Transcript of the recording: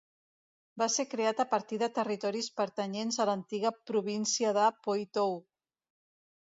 Va ser creat a partir de territoris pertanyents a l'antiga província de Poitou.